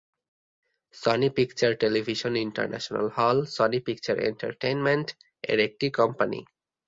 Sony Picture Television International হল Sony Picture Entertainment এর একটি কোম্পানী।